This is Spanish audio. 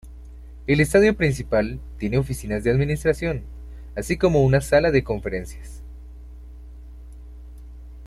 El estadio principal tiene oficinas de administración, así como una sala de conferencias.